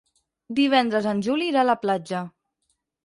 Divendres en Juli irà a la platja.